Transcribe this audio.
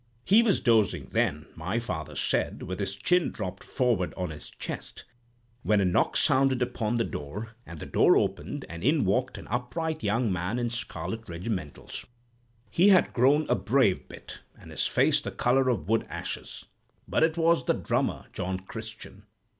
He was dozing then (my father said) with his chin dropped forward on his chest, when a knock sounded upon the door, and the door opened, and in walked an upright young man in scarlet regimentals. "He had grown a brave bit, and his face the color of wood ashes; but it was the drummer, John Christian.